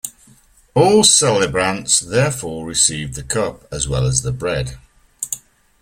All celebrants therefore receive the cup as well as the bread.